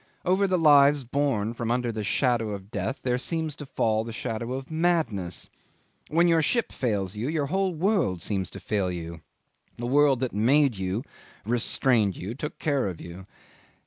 Over the lives borne from under the shadow of death there seems to fall the shadow of madness. When your ship fails you, your whole world seems to fail you; the world that made you, restrained you, took care of you.